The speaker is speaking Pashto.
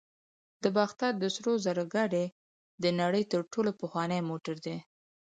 د باختر د سرو زرو ګېډۍ د نړۍ تر ټولو پخوانی موټر دی